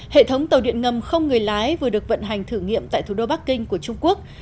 hệ thống tàu điện ngầm không người lái vừa được vận hành thử nghiệm tại thủ đô bắc kinh của trung quốc